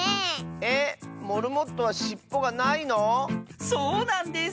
えっモルモットはしっぽがないの⁉そうなんです！